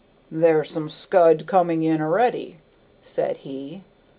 "There's some scud coming in a'ready," said he.